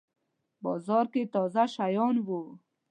بازار کی تازه شیان وی